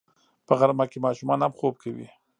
په غرمه کې ماشومان هم خوب کوي